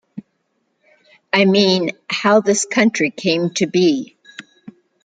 I mean how this country came to be.